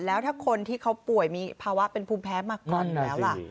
แล้วถ้าคนที่เขาป่วยมีภาวะเป็นภูมิแพ้มาก่อนอยู่แล้วล่ะ